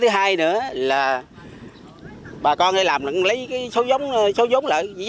thứ hai nữa là bà con nơi làm lấy cái số giống lợi